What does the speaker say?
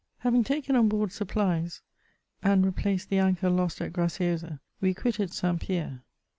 Haviko taken on board supplies and replaced the anchor lost at Graciosa, we quitted St. Pierre.